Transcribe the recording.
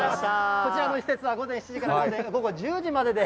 こちらの施設は午前７時から午後１０時までです。